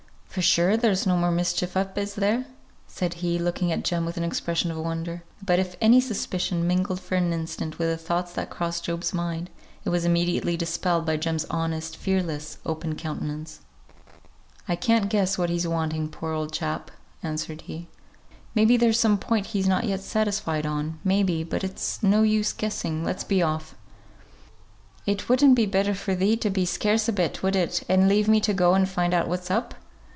For sure, there's no more mischief up, is there?" said he, looking at Jem with an expression of wonder. But if any suspicion mingled for an instant with the thoughts that crossed Job's mind, it was immediately dispelled by Jem's honest, fearless, open countenance. "I can't guess what he's wanting, poor old chap," answered he. "May be there's some point he's not yet satisfied on; may be but it's no use guessing; let's be off." "It wouldn't be better for thee to be scarce a bit, would it, and leave me to go and find out what's up?